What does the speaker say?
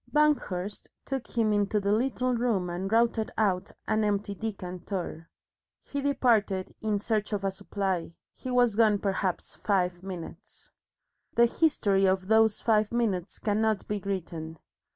Banghurst took him into the little room and routed out an empty decanter. He departed in search of a supply. He was gone perhaps five minutes. The history of those five minutes cannot be written.